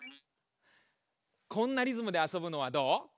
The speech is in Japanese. こんなリズムであそぶのはどう？